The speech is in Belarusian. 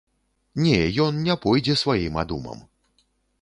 Не, ён не пойдзе сваім адумам.